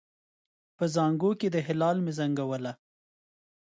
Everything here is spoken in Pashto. په زانګو کې د هلال مې زنګوله